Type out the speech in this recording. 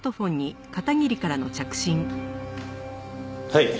はい。